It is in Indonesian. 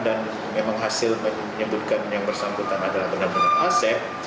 dan memang hasil menyebutkan yang bersangkutan adalah benar benar aceh